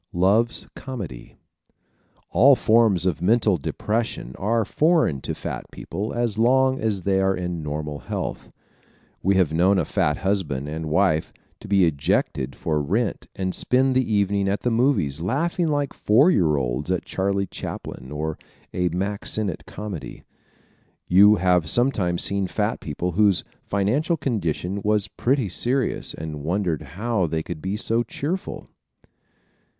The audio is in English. Loves Comedy ¶ All forms of mental depression are foreign to fat people as long as they are in normal health. We have known a fat husband and wife to be ejected for rent and spend the evening at the movies laughing like four year olds at Charlie Chaplin or a Mack Sennett comedy. You have sometimes seen fat people whose financial condition was pretty serious and wondered how they could be so cheerful.